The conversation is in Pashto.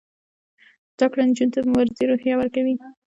زده کړه نجونو ته د مبارزې روحیه ورکوي.